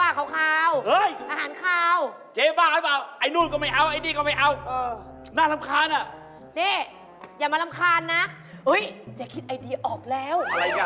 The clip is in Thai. อาหารขาว